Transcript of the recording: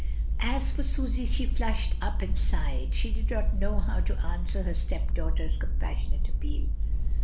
As for Susy, she flushed up and sighed, she did not know how to answer her stepdaughter's pas sionate appeal.